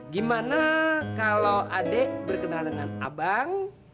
gimana kalo adik berkenal dengan abang